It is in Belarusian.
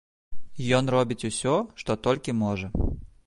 Ён робіць усё, што толькі можа.